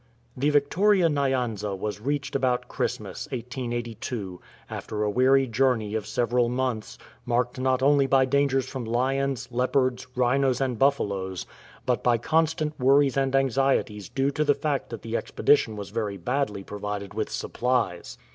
The Victoria Nyanza was reached about Christmas, 1882, after a weary journey of several months, marked not only by dangers from lions, leopards, rhinos, and buftaloes, but by constant woiTies and anxieties due to the fact that the expedition was very badly provided with supplies.